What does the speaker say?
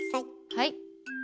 はい。